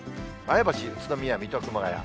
前橋、宇都宮、水戸、熊谷。